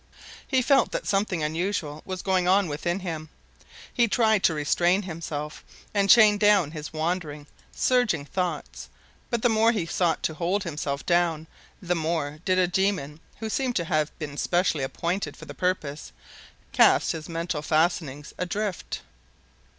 He felt that something unusual was going on within him. He tried to restrain himself, and chain down his wandering, surging thoughts, but the more he sought to hold himself down, the more did a demon who seemed to have been especially appointed for the purpose cast his mental fastenings adrift.